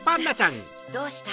どうした？